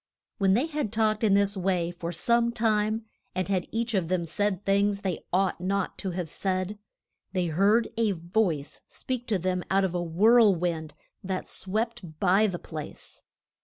When they had talked in this way for some time, and had each of them said things they ought not to have said, they heard a voice speak to them out of a whirl wind that swept by the place.